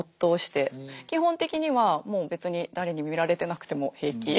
基本的にはもう別に誰に見られてなくても平気。